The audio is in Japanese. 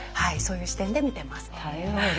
そういう視点で見てます。